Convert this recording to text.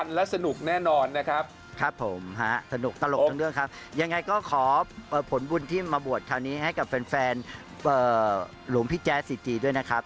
ยังไงก็ขอผลบุญที่มาบวชคราวนี้ให้กับแฟนหลวงพี่แจ๊สจีดด้วยนะครับ